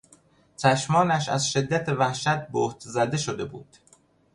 چشمانش از شدت وحشت بهت زده شده بود.